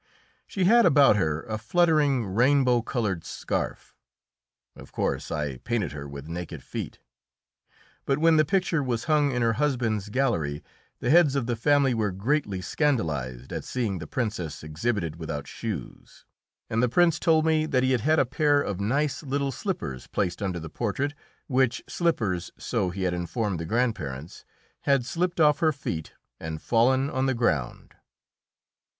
She had about her a fluttering, rainbow coloured scarf. Of course I painted her with naked feet, but when the picture was hung in her husband's gallery the heads of the family were greatly scandalised at seeing the Princess exhibited without shoes, and the Prince told me that he had had a pair of nice, little slippers placed under the portrait, which slippers, so he had informed the grandparents, had slipped off her feet and fallen on the ground.